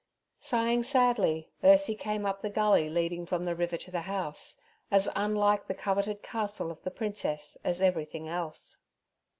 Sighing sadly, Ursie came up the gully leading from the river to the house, as unlike the coveted castle of the Princess as everything else.